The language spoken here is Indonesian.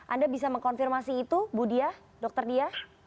anda bisa mengkonfirmasi itu bu dia dokter dia